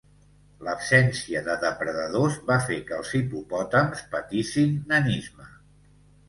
L'absència de depredadors va fer que els hipopòtams patissin nanisme.